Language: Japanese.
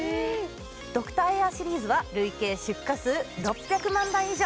ドクターエアシリーズは累計出荷数６００万台以上。